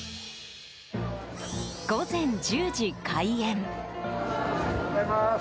午前１０時開園。